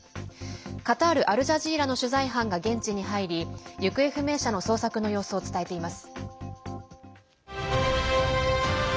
カタール・アルジャジーラの取材班が現地に入り行方不明者の捜索の様子を伝えています。